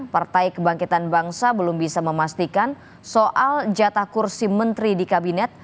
partai kebangkitan bangsa belum bisa memastikan soal jatah kursi menteri di kabinet